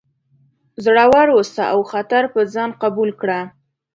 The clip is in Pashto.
زړور اوسه او خطر په ځان قبول کړه.